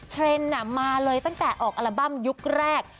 เทรนด์มาเลยตั้งแต่ออกอัลบั้มยุคแรก